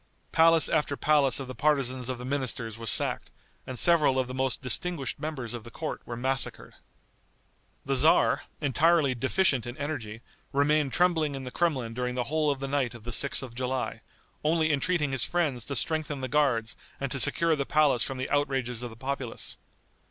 Palace after palace of the partisans of the ministers was sacked, and several of the most distinguished members of the court were massacred. The tzar, entirely deficient in energy, remained trembling in the Kremlin during the whole of the night of the 6th of July, only entreating his friends to strengthen the guards and to secure the palace from the outrages of the populace.